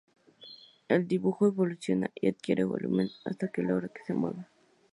El dibujo evoluciona y adquiere volumen, hasta que logra que se mueva.